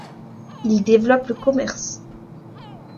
Il développe le commerce.